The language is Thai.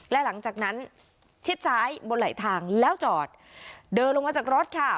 และหลังจากนั้นชิดซ้ายบนไหลทางแล้วจอดเดินลงมาจากรถค่ะ